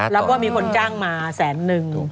รับว่ามีคนจ้างมาแสนนึง